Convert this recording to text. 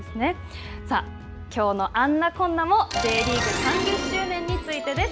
きょうのあんなこんなも、Ｊリーグ３０周年についてです。